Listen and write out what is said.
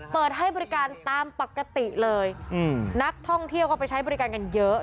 เปิดให้บริการตามปกติเลยนักท่องเที่ยวก็ไปใช้บริการกันเยอะ